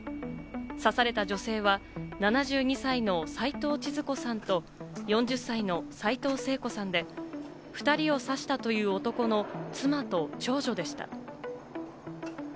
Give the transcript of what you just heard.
刺された女性は７２歳の齊藤ちづ子さんと、４０歳の齊藤聖子さんで、２人を刺したという男の妻と長女でした。